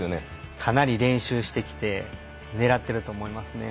かなり練習してきて狙ってると思いますね。